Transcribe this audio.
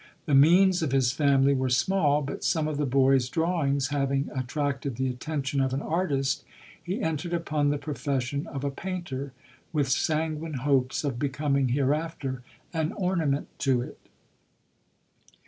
The means of his family were small, but some of the boy's drawings having at tracted the attention of an artist, he entered upon the profession of a painter, with sanguine hop of becoming hereafter an ornament to it.